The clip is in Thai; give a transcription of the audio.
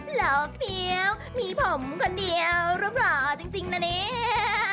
เหล่าแฟวมีผมคนเดียวรวมหล่อจริงนะเนี่ย